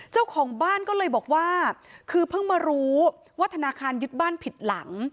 เจ้าของบ้านก็เลยบอกว่าคือเพิ่งมารู้ว่าธนาคารยึดบ้านผิดหลัง